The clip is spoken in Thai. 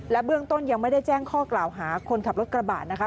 เบื้องต้นยังไม่ได้แจ้งข้อกล่าวหาคนขับรถกระบะนะคะ